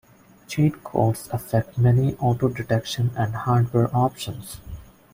Cheat codes affect many auto-detection and hardware options.